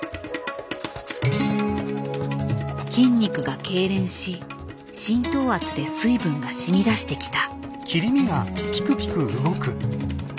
筋肉が痙攣し浸透圧で水分がしみだしてきた。